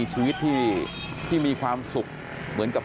สวัสดีครับ